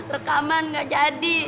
rekaman gak jadi